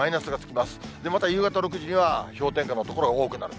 また夕方６時には氷点下の所が多くなると。